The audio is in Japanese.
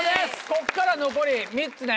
こっから残り３つね。